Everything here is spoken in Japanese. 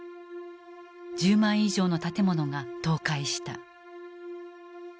１０万以上の建物が倒壊した。